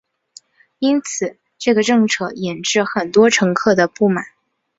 因此这个政策引致很多乘客的不满。